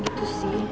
kayak gitu sih